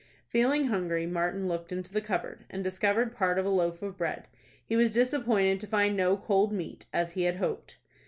Feeling hungry, Martin looked into the cupboard, and discovered part of a loaf of bread. He was disappointed to find no cold meat, as he had hoped.